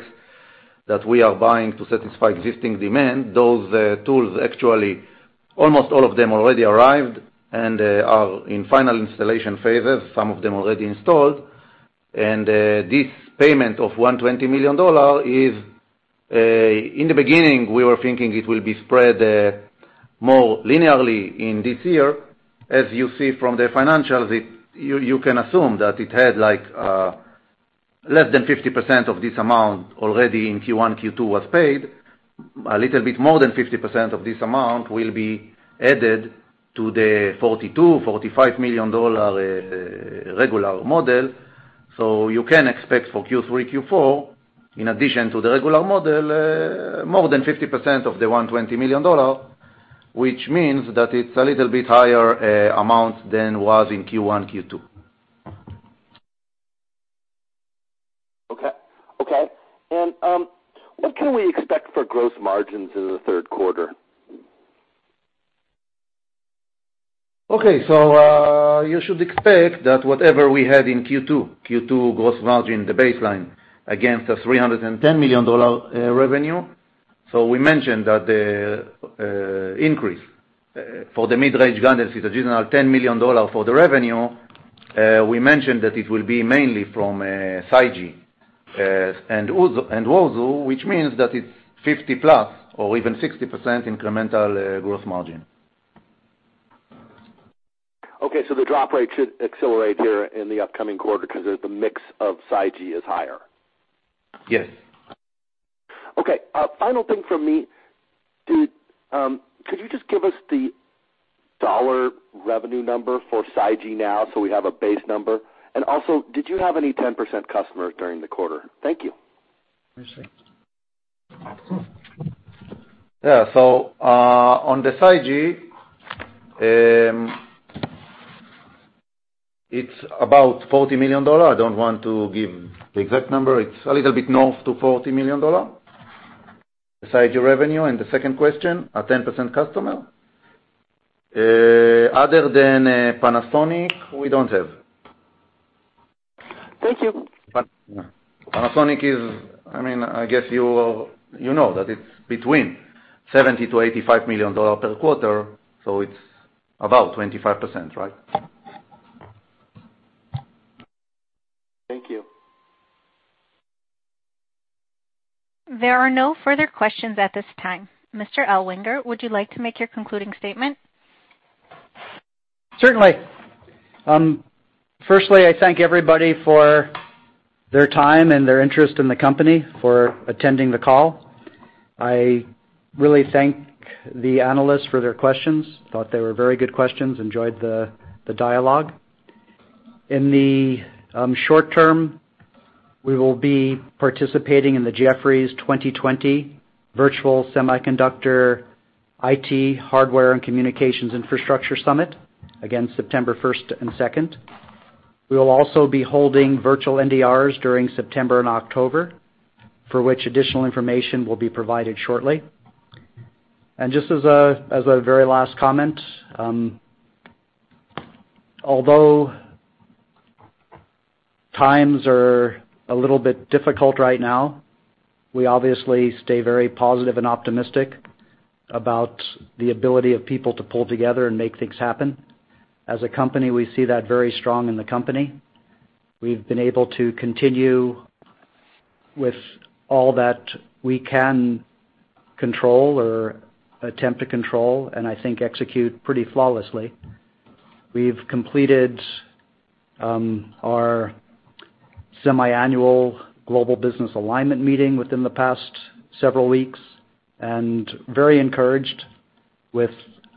S4: that we are buying to satisfy existing demand. Those tools, actually, almost all of them already arrived and are in final installation phases, some of them already installed. This payment of $120 million is, in the beginning, we were thinking it will be spread more linearly in this year. As you see from the financials, you can assume that it had less than 50% of this amount already in Q1, Q2 was paid. A little bit more than 50% of this amount will be added to the $42-$45 million regular model. You can expect for Q3, Q4, in addition to the regular model, more than 50% of the $120 million, which means that it's a little bit higher amount than was in Q1, Q2. Okay.
S11: Okay. What can we expect for gross margins in the third quarter?
S4: Okay. You should expect that whatever we had in Q2, Q2 gross margin, the baseline against the $310 million revenue. We mentioned that the increase for the mid-range gardens, it's a general $10 million for the revenue. We mentioned that it will be mainly from 5G and Uzod, which means that it's 50%+ or even 60% incremental gross margin.
S11: Okay. The drop rate should accelerate here in the upcoming quarter because the mix of 5G is higher.
S4: Yes.
S11: Okay. Final thing from me. Could you just give us the dollar revenue number for 5G now so we have a base number? And also, did you have any 10% customers during the quarter? Thank you.
S4: Yeah. On the 5G, it's about $40 million. I don't want to give the exact number. It's a little bit north to $40 million besides your revenue. The second question, a 10% customer. Other than Panasonic, we do not have. Thank you. Panasonic is, I mean, I guess you know that it is between $70-$85 million per quarter. So it is about 25%, right?
S11: Thank you.
S1: There are no further questions at this time. Mr. Ellwanger, would you like to make your concluding statement?
S3: Certainly. Firstly, I thank everybody for their time and their interest in the company for attending the call. I really thank the analysts for their questions. Thought they were very good questions. Enjoyed the dialogue. In the short term, we will be participating in the Jefferies 2020 Virtual Semiconductor IT Hardware and Communications Infrastructure Summit again September 1st and 2nd. We will also be holding virtual NDRs during September and October for which additional information will be provided shortly. Just as a very last comment, although times are a little bit difficult right now, we obviously stay very positive and optimistic about the ability of people to pull together and make things happen. As a company, we see that very strong in the company. We've been able to continue with all that we can control or attempt to control and I think execute pretty flawlessly. We've completed our semi-annual global business alignment meeting within the past several weeks and very encouraged with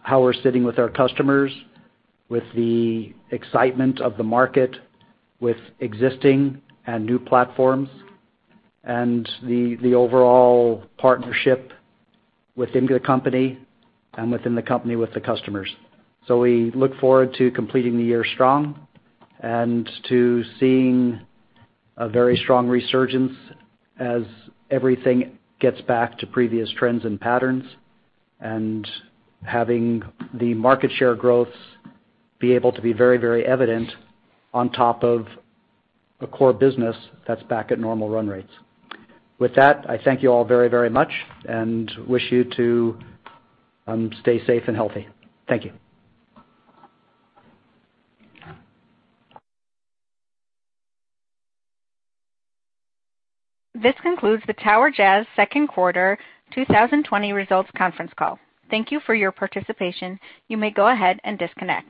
S3: how we're sitting with our customers, with the excitement of the market, with existing and new platforms, and the overall partnership within the company and within the company with the customers. We look forward to completing the year strong and to seeing a very strong resurgence as everything gets back to previous trends and patterns and having the market share growths be able to be very, very evident on top of a core business that's back at normal run rates. With that, I thank you all very, very much and wish you to stay safe and healthy. Thank you.
S1: This concludes the Tower Jazz second quarter 2020 results conference call. Thank you for your participation. You may go ahead and disconnect.